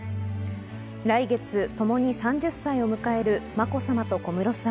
来月ともに３０歳を迎えるまこさまと小室さん。